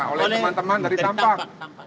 oleh teman teman dari tampak